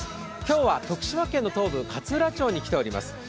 今日は徳島県の東部勝浦町に来ています。